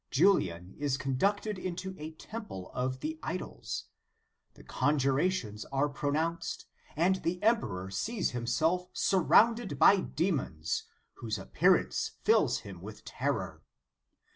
Julian is conducted into a temple of the idols. The conjurations are pronounced, and the emperor sees himself surrounded by demons, whose appearance fills him with terror.